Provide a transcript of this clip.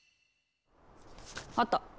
あった！